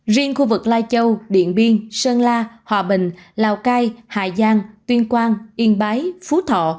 riêng khu vực lai châu điện biên sơn la hòa bình lào cai hà giang tuyên quang yên bái phú thọ